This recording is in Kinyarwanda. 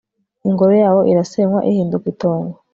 ingoro yawo irasenywa ihinduka itongo